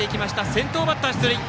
先頭バッター出塁。